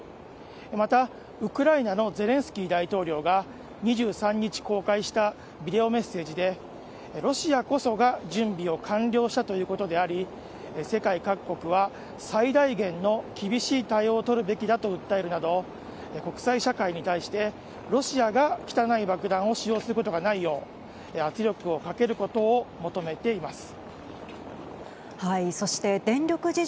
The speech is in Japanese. また、ウクライナのゼレンスキー大統領が２３日公開したビデオメッセージでロシアこそが準備を完了したということであり世界各国は最大限の厳しい対応を取るべきだと訴えるなど国際社会に対してロシアが汚い爆弾を使用することがないよう圧力をかけることを求めています。